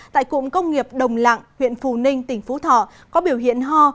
tại cụng công nghiệp đồng lạng huyện phù ninh tỉnh phú thọ có biểu hiện ho